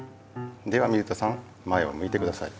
では水田さん前をむいてください。